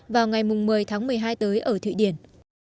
vào ngày một mươi tháng một mươi hai tới ở thụy điển